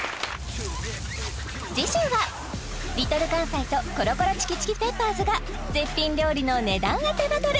次週はＬｉｌかんさいとコロコロチキチキペッパーズが絶品料理の値段当てバトル